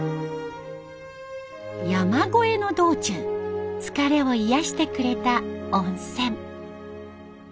山越えの道中疲れを癒やしてくれた温泉。